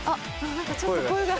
何かちょっと声が。